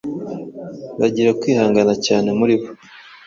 Bagira kwihangana cyane muri bo